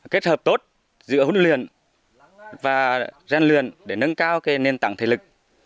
kết hợp tốt giữa huấn luyện và gian luyện để nâng cao nền tảng thể lực